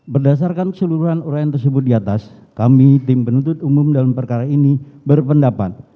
berdasarkan keseluruhan uraian tersebut di atas kami tim penuntut umum dalam perkara ini berpendapat